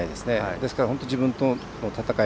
ですから、本当に自分との闘い。